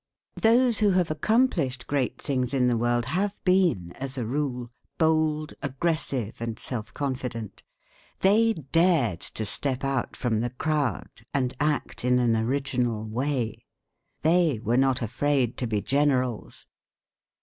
Those who have accomplished great things in the world have been, as a rule, bold, aggressive, and self confident. They dared to step out from the crowd, and act in an original way. They were not afraid to be generals.